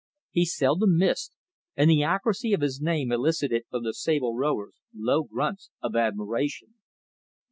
He seldom missed, and the accuracy of his aim elicited from the sable rowers low grunts of admiration.